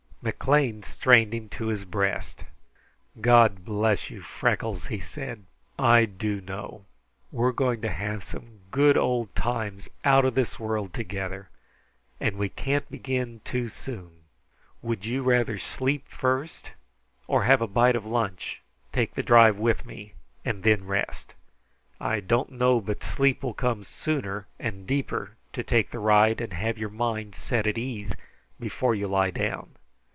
McLean strained him to his breast. "God bless you, Freckles," he said. "I do know! We're going to have some good old times out of this world together, and we can't begin too soon. Would you rather sleep first, or have a bite of lunch, take the drive with me, and then rest? I don't know but sleep will come sooner and deeper to take the ride and have your mind set at ease before you lie down.